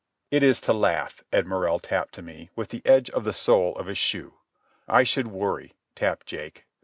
"It is to laugh," Ed Morrell tapped to me, with the edge of the sole of his shoe. "I should worry," tapped Jake.